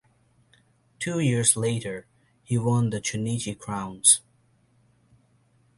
Two years later he won the Chunichi Crowns.